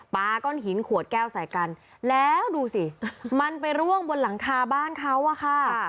ก้อนหินขวดแก้วใส่กันแล้วดูสิมันไปร่วงบนหลังคาบ้านเขาอะค่ะ